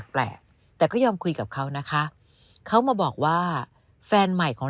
แปลกแต่ก็ยอมคุยกับเขานะคะเขามาบอกว่าแฟนใหม่ของ